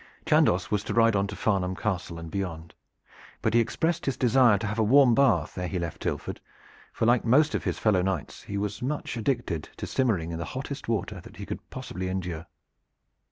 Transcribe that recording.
Chandos was to ride on to Farnham Castle and beyond, but he expressed his desire to have a warm bath ere he left Tilford, for like most of his fellow knights, he was much addicted to simmering in the hottest water that he could possibly endure.